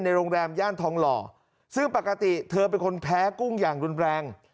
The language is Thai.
โรงแรมย่านทองหล่อซึ่งปกติเธอเป็นคนแพ้กุ้งอย่างรุนแรง